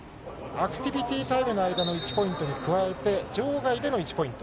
アクティビティタイムの間の１ポイントに加えて、場外での１ポイント。